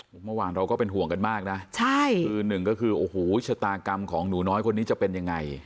เมื่อวานเราก็เป็นห่วงกันมากนะใช่คือหนึ่งก็คือโอ้โหชะตากรรมของหนูน้อยคนนี้จะเป็นยังไง